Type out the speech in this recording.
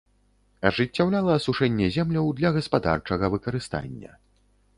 Ажыццяўляла асушэнне земляў для гаспадарчага выкарыстання.